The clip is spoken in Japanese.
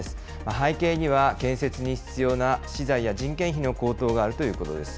背景には建設に必要な資材や人件費の高騰があるということです。